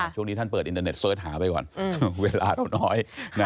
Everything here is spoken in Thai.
ช่วงนี้ท่านเปิดอินเทอร์เน็ตเสิร์ชหาไปก่อนเวลาเราน้อย